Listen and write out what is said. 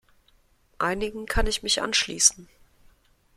Einigen kann ich mich anschließen.